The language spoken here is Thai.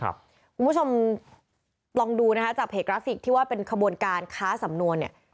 คุณผู้ชมลองดูนะคะจากเพจกราฟิกที่ว่าเป็นขบวนการค้าสำนวนเนี่ย